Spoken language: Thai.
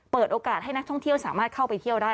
เปิดโอกาสให้นักท่องเที่ยวสามารถเข้าไปเที่ยวได้